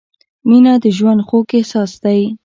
• مینه د ژوند خوږ احساس دی.